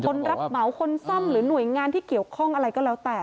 รับเหมาคนซ่อมหรือหน่วยงานที่เกี่ยวข้องอะไรก็แล้วแต่